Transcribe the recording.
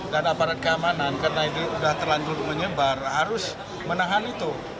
dan aparat keamanan karena ini sudah terlanjur menyebar harus menahan itu